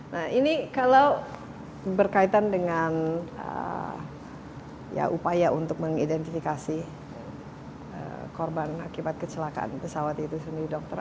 nah ini kalau berkaitan dengan upaya untuk mengidentifikasi korban akibat kecelakaan pesawat itu sendiri dokter